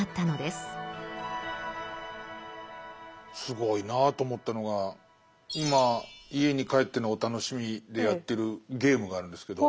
すごいなと思ったのが今家に帰ってのお楽しみでやってるゲームがあるんですけど。